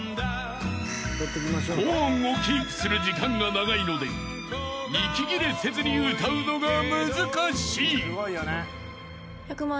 ［高音をキープする時間が長いので息切れせずに歌うのが難しい］